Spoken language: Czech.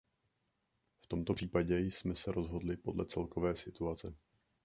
V tomto případě jsme se rozhodli podle celkové situace.